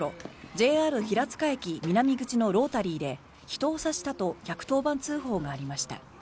ＪＲ平塚駅南口のロータリーで人を刺したと１１０番通報がありました。